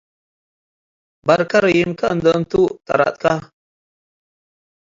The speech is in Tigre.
በርከ ረዬዩመከ እንዴ እንቱ ጠረጥከ።